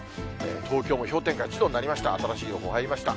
東京も氷点下１度になりました、新しい予報入りました。